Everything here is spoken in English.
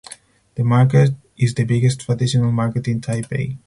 The market is the biggest traditional market in Taipei.